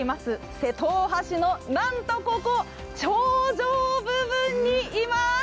瀬戸大橋のなんとここ、頂上部分にいます。